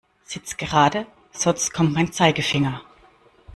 Sitz gerade, sonst kommt mein Zeigefinger.